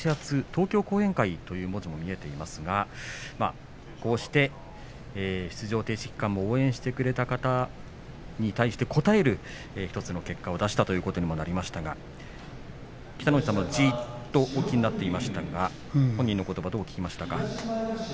東京後援会いう文字も見えていますがこうして出場停止期間も応援してくれた方に対してこたえる１つの結果を出したということにもなりましたが北の富士さんもじっとお聞きになっていましたが本人のことばどうお聞きになりましたか。